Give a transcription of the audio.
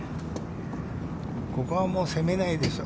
ここはもう攻めないでしょう。